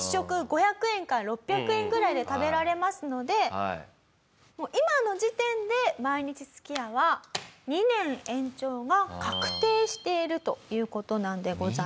１食５００円から６００円ぐらいで食べられますので今の時点で毎日すき家は２年延長が確定しているという事なんでございます。